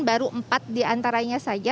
baru empat diantaranya